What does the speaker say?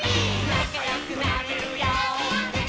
なかよくなれるよ。